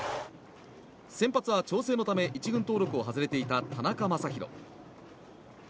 先発は調整のため１軍登録を外れていた田中将大。